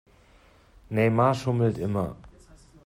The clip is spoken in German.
Neymar schummelt immer.